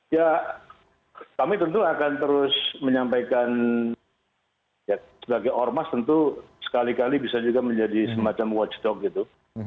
ya kami tentu akan terus menyampaikan ya sebagai ormas tentu sekali kali bisa juga menjadi semacam watchdog gitu